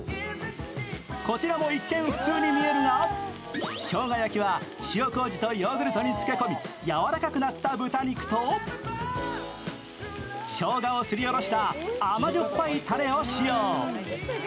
こちらも、一見普通に見えるが、生姜焼きは塩こうじとヨーグルトに漬け込み柔らかくなった豚肉としょうがをすりおろした甘じょっぱいたれを使用。